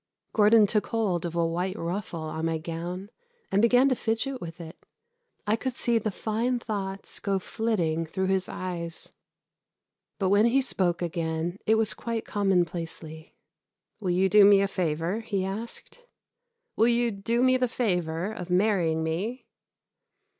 Gordon took hold of a white ruffle on my gown and began to fidget with it. I could see the fine thoughts go flitting through his eyes, but when he spoke again it was quite commonplacely. "Will you do me a favor?" he asked. "Will you do me the favor of marrying me?"